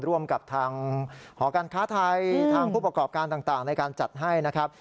ร่วมกับทางหอการค้าไทยทางผู้ประกอบการต่างในการจัดให้นะครับ